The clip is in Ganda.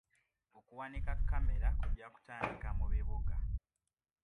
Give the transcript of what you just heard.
Okuwanika kamera kujja kutandika mu bibuga.